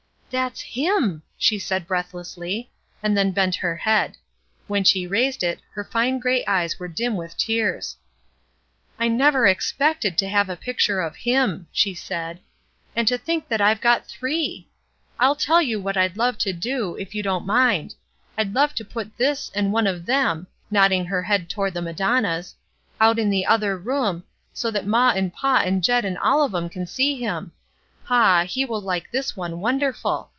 "That's Him!'' she said breathlessly, and then bent her head. When she raised it, her fine gray eyes were dim with tears. "I never expected to have a picture of Him," she said. "And to think that IVe got three! 202 ESTER RIED'S NAMESAKE 111 tell you what I'd love to do, if you don't mind. I'd love to put this and one of them "— nodding her head toward the Madonnas — ''out in the other room, so that maw and paw and Jed and all of 'em can see Him. Paw, he will like this one wonderful!